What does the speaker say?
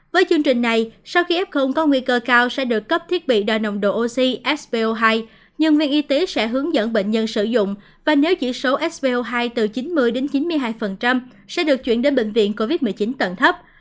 với chương trình này sau khi f có nguy cơ cao sẽ được cấp thiết bị đo nồng độ oxy spo hai nhân viên y tế sẽ hướng dẫn bệnh nhân sử dụng và nếu chỉ số svo hai từ chín mươi đến chín mươi hai sẽ được chuyển đến bệnh viện covid một mươi chín tận thấp